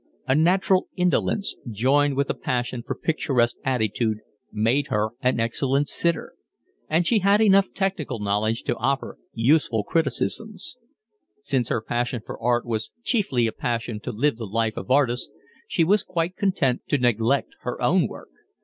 A natural indolence, joined with a passion for picturesque attitude, made her an excellent sitter; and she had enough technical knowledge to offer useful criticisms. Since her passion for art was chiefly a passion to live the life of artists, she was quite content to neglect her own work.